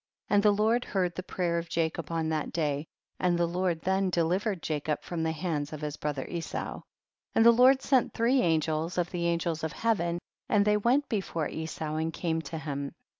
27. And the Lord heard the pray er of Jacob on that day, and the Lord then delivered Jacob from the hands of his brother Esau. 28. And the Lord sent three an gels of the angels of heaven, and ihey went before Esau and came to him.